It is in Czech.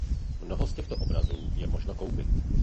Mnoho z těchto obrazů je možno koupit.